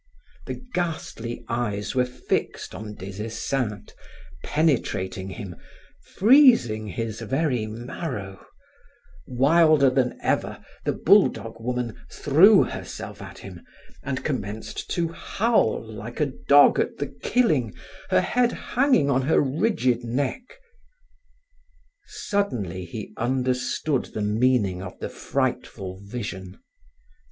The ghastly eyes were fixed on Des Esseintes, penetrating him, freezing his very marrow; wilder than ever, the bulldog woman threw herself at him and commenced to howl like a dog at the killing, her head hanging on her rigid neck. Suddenly he understood the meaning of the frightful vision.